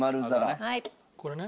これね？